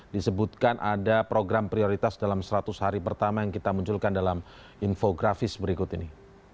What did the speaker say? disebutkan ada program prioritas dalam seratus hari pertama yang kita munculkan dalam infografis berikut ini